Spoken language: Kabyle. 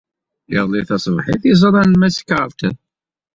Iḍelli taṣebḥit ay ẓran Mass Carter.